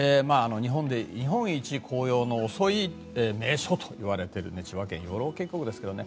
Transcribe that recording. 日本一紅葉の遅い名所といわれている千葉県の養老渓谷ですけどね。